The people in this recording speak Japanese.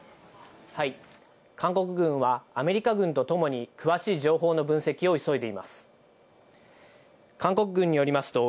韓国軍はアメリカ軍とともに詳しい情報の分析を急いでいます。